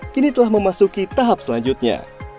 kini telah memasuki tahap selanjutnya